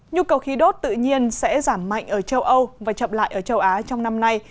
nhu cầu khí đốt tự nhiên sẽ giảm mạnh ở châu âu và chậm lại ở châu á trong năm nay